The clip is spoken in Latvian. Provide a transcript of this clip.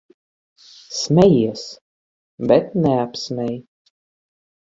Smejies, bet neapsmej.